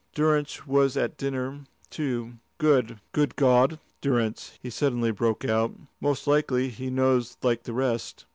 Durrance was at dinner, too, good God, Durrance!" he suddenly broke out. "Most likely he knows like the rest."